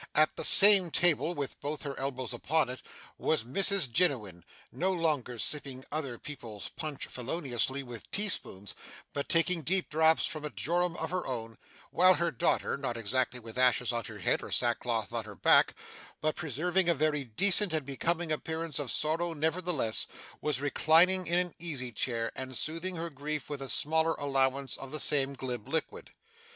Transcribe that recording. At the same table, with both her elbows upon it, was Mrs Jiniwin; no longer sipping other people's punch feloniously with teaspoons, but taking deep draughts from a jorum of her own; while her daughter not exactly with ashes on her head, or sackcloth on her back, but preserving a very decent and becoming appearance of sorrow nevertheless was reclining in an easy chair, and soothing her grief with a smaller allowance of the same glib liquid.